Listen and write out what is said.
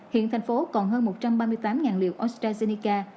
hiện tp hcm còn hơn một trăm ba mươi tám liều astrazeneca